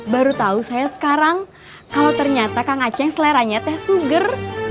baru tahu saya sekarang kalau ternyata kang aceh seleranya teh suger